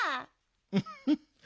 フフッ。